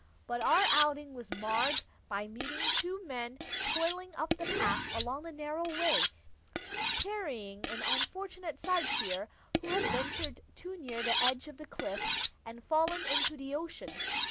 But our outing was marred by meeting two men toiling up the path along the narrow way, carrying an unfortunate sightseer who had ventured too near the edge of the cliff and fallen into the ocean.